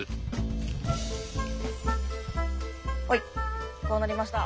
はいこうなりました。